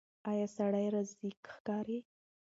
ایا سړی راضي ښکاري؟